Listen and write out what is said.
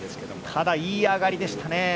ただ、いい上がりでしたね。